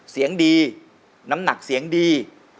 เสียงดีน้ำหนักเสียงดี